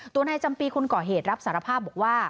ตัวนายจำปีคนก่อเหตุรับสารภาพบอกว่า